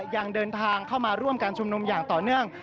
ยังเดินทางเข้ามาร่วมการชุมนุมอย่างต่อเนื่อง